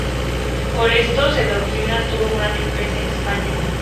Por esto, su doctrina tuvo gran influencia en España.